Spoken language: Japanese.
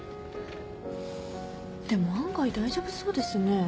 でも案外大丈夫そうですね。